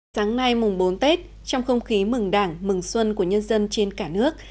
sáng nay mùng bốn tết trong không khí mừng đảng mừng xuân của nhân dân trên cả nước